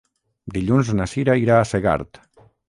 Dilluns na Cira irà a Segart.